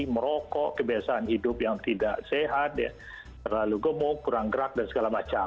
merokok kebiasaan hidup yang tidak sehat terlalu gemuk kurang gerak dan segala macam